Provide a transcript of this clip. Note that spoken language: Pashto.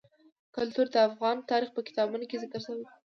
کلتور د افغان تاریخ په کتابونو کې ذکر شوی دي.